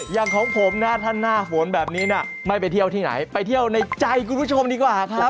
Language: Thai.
อย่างของผมนะถ้าหน้าฝนแบบนี้นะไม่ไปเที่ยวที่ไหนไปเที่ยวในใจคุณผู้ชมดีกว่าครับ